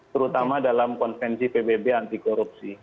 terutama dalam konvensi pbb anti korupsi